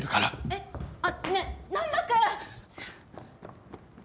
えっあっねえ難破君！